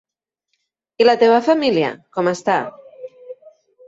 I la teva família, com està?